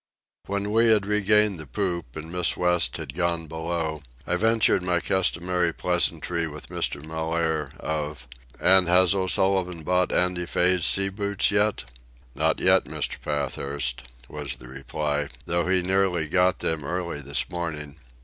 When we had regained the poop, and Miss West had gone below, I ventured my customary pleasantry with Mr. Mellaire of: "And has O'Sullivan bought Andy Fay's sea boots yet?" "Not yet, Mr. Pathurst," was the reply, "though he nearly got them early this morning.